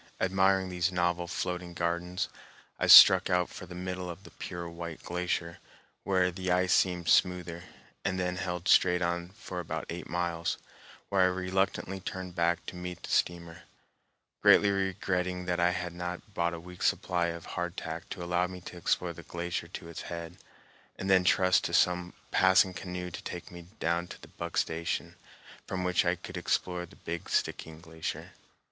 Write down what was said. Admiring these novel floating gardens, I struck out for the middle of the pure white glacier, where the ice seemed smoother, and then held straight on for about eight miles, where I reluctantly turned back to meet the steamer, greatly regretting that I had not brought a week's supply of hardtack to allow me to explore the glacier to its head, and then trust to some passing canoe to take me down to Buck Station, from which I could explore the Big Stickeen Glacier.